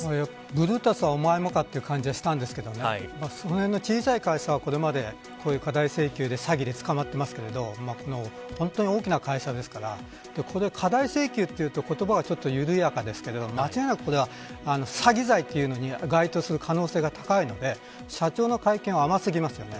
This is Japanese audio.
ブルータスおまえもかという感じがしたんですけどそのへんの小さい会社はこれまで過大請求で詐欺で捕まってますけど本当に大きな会社ですからこれ、過大請求というと言葉は緩やかですが間違いなくこれは詐欺罪というのに該当する可能性が高いので社長の会見は甘過ぎますよね。